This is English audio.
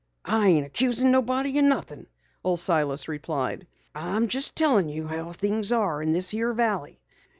"I ain't accusin' nobody o' nothin'," Old Silas replied. "I'm jes' tellin' you how things are in this here valley.